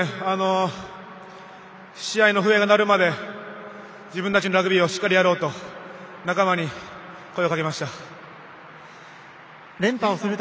試合終了の笛が鳴るまで自分たちのラグビーをしっかりやろうと仲間に声をかけました。